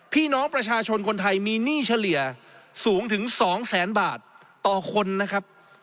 พี่น้องประชาชนคนไทยมีหนี้เฉลี่ยสูงถึง๒แสนบาทต่อคนนะครับ